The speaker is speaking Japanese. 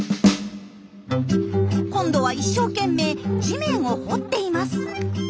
今度は一生懸命地面を掘っています。